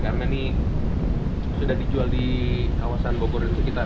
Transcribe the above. karena ini sudah dijual di kawasan bogor dan sekitar